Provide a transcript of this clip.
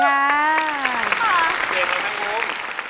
เก่งมากทั้งมุม